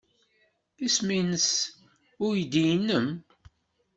Isem-nnes uydi-nnem?